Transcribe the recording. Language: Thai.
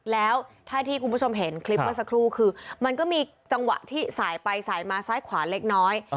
แล้วถ้าที่คุณผู้ชมเห็นคลิปเมื่อสักครู่คือมันก็มีจังหวะที่สายไปสายมาซ้ายขวาเล็กน้อย